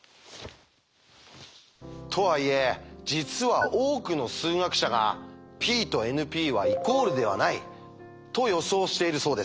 とはいえ実は多くの数学者がＰとＮＰはイコールではないと予想しているそうです。